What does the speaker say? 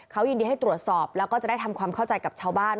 เขายินดีให้ตรวจสอบแล้วก็จะได้ทำความเข้าใจกับชาวบ้าน